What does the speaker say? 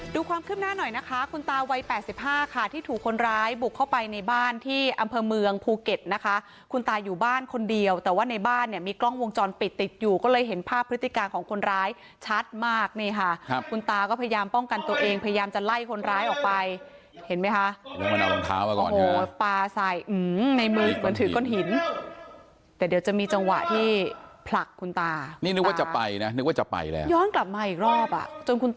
ดูความขึ้นหน้าหน่อยนะคะคุณตาวัยแปดสิบห้าค่ะที่ถูกคนร้ายบุกเข้าไปในบ้านที่อำเภอเมืองภูเก็ตนะคะคุณตาอยู่บ้านคนเดียวแต่ว่าในบ้านเนี้ยมีกล้องวงจรปิดติดอยู่ก็เลยเห็นภาพพฤติกาของคนร้ายชัดมากนี่ค่ะครับคุณตาก็พยายามป้องกันตัวเองพยายามจะไล่คนร้ายออกไปเห็นมั้ยค่ะแล้วมันเอารองเท้าอ่ะก่